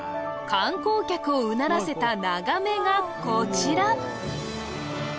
観光客をうならせた眺めがこちら